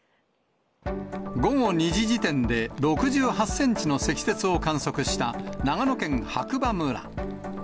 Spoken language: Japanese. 午後２時時点で６８センチの積雪を観測した長野県白馬村。